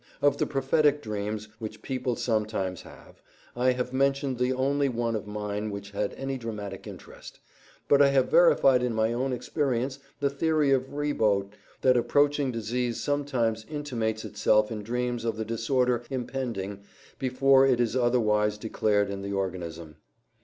Of the prophetic dreams which people sometimes have I have mentioned the only one of mine which had any dramatic interest, but I have verified in my own experience the theory of Ribot that approaching disease sometimes intimates itself in dreams of the disorder impending, before it is otherwise declared in the organism.